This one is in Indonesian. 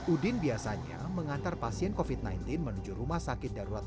udin biasanya mengantar pasien kopit manggil menuju rumah sakit darurat